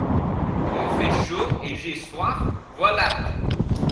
Il fait chaud, et j'ai soif, voilà tout.